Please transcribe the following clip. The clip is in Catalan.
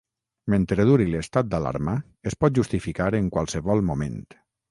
Mentre duri l'estat d'alarma es pot justificar en qualsevol moment.